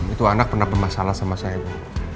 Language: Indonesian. itu anak pernah bermasalah sama saya bu